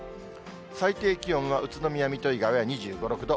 最低気温が宇都宮、水戸以外は２５、６度。